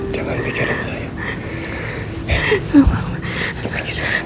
jangan fikirin saya